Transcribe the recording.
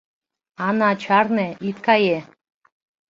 Ана, чарне, ит кае!